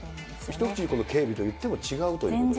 一口にこの警備といっても違うということですか。